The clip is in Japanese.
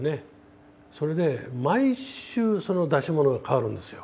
それで毎週その出し物が変わるんですよ。